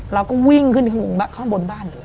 เราก็วิ่งขึ้นข้างบนบ้านเลย